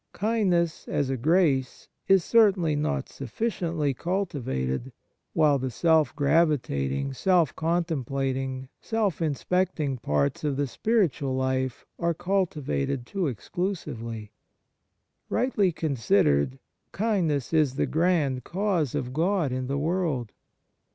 Kindness, as a grace, is certainly not sufficiently culti vated, while the self gravitating, self con templating, self inspecting parts of the spiritual life are cultivated too exclusively. Rightly considered, kindness is the grand cause of God in the world.